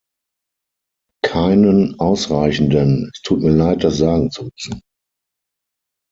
Keinen ausreichenden, es tut mir leid, das sagen zu müssen.